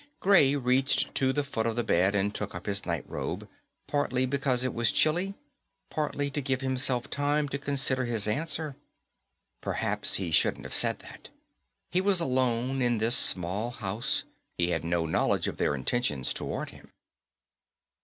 _ Gray reached to the foot of the bed and took up his night robe; partly because it was chilly, partly to give himself time to consider his answer. Perhaps he shouldn't have said that. He was alone in this small house; he had no knowledge of their intentions toward him.